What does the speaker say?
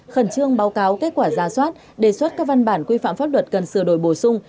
khẩn trương báo cáo kết quả ra soát đề xuất các văn bản quy phạm pháp luật cần sửa đổi bổ sung